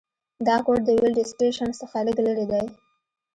دا کور د ویلډ سټیشن څخه لږ لرې دی